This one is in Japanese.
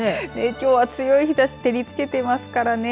きょうは強い日ざし照りつけていますからね。